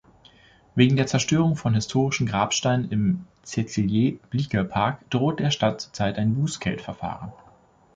Wegen der Zerstörung von historischen Grabsteinen im Cäcilie-Bleeker-Park droht der Stadt zurzeit ein Bußgeldverfahren.